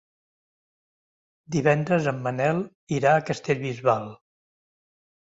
Divendres en Manel irà a Castellbisbal.